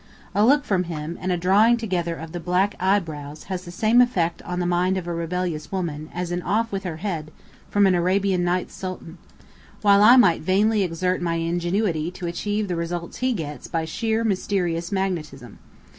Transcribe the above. A look from him, and a drawing together of the black eyebrows has the same effect on the mind of a rebellious woman as an "Off with her head!" from an Arabian Nights Sultan, while I might vainly exert my ingenuity to achieve the result he gets by sheer mysterious magnetism.